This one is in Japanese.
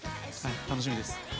楽しみです。